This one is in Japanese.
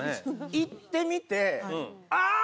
行ってみてあぁ